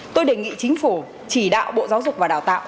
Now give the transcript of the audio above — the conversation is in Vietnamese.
tôi đề nghị chính phủ chỉ đạo bộ giáo dục và đào tạo